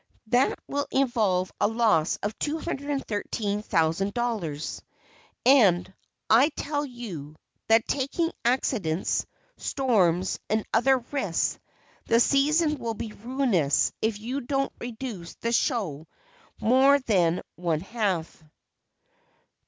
That will involve a loss of $213,000, and, I tell you, that taking accidents, storms, and other risks, the season will be ruinous if you don't reduce the show more than one half."